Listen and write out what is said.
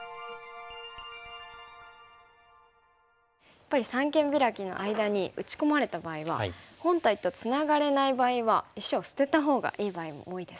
やっぱり三間ビラキの間に打ち込まれた場合は本体とつながれない場合は石を捨てたほうがいい場合も多いですね。